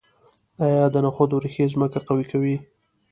آیا د نخودو ریښې ځمکه قوي کوي؟